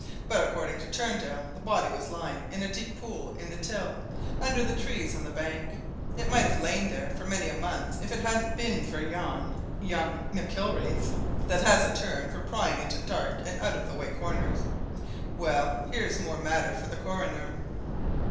"But according to Turndale, the body was lying in a deep pool in the Till, under the trees on the bank it might have lain there for many a month if it hadn't been for yon young McIlwraith that has a turn for prying into dark and out of the way corners. Well, here's more matter for the coroner."